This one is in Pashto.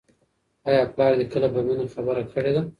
آیا پلار دې کله په مینه خبره کړې ده؟